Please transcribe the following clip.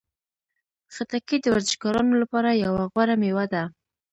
خټکی د ورزشکارانو لپاره یوه غوره میوه ده.